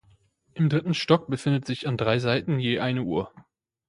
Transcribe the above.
Im dritten Stock befindet sich an drei Seiten je eine Uhr.